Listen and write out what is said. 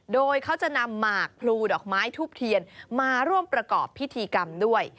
โดยเขาจะนำหมากพลูดอกไม้ทูบเทียนมาร่วมประกอบพิธีกรรมด้วย